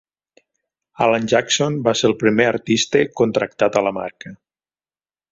Alan Jackson va ser el primer artista contractat a la marca.